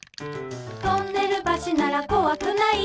「トンネル橋ならこわくない」